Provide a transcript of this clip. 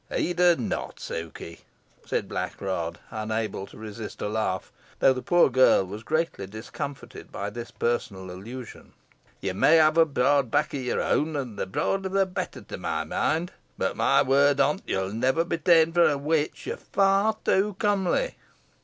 "Heed her not, Sukey," said Blackrod, unable to resist a laugh, though the poor girl was greatly discomfited by this personal allusion; "ye may ha' a broad back o' our own, an the broader the better to my mind, boh mey word on't ye'll never be ta'en fo a witch. Yo're far too comely."